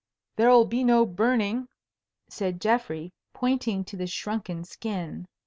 "There'll be no burning," said Geoffrey, pointing to the shrunken skin.